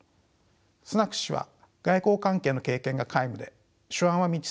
スナク氏は外交関係の経験が皆無で手腕は未知数です。